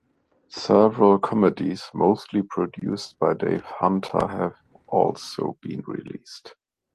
Several comedies, mostly produced by Dave Hunter, have also been released.